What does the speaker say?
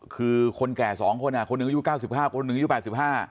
คือคนแก่สองคนคนหนึ่งอายุ๙๕คนหนึ่งอายุ๘๕